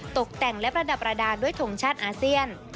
ตกแต่งและประดับประดาษด้วยทงชาติอาเซียน